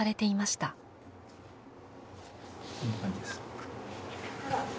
こんな感じです。